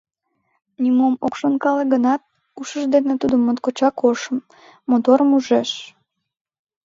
Нимом ок шонкале гынат, ушыж дене тудым моткочак ошым, моторым ужеш.